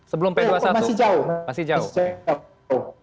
sebelum p dua puluh satu jauh masih jauh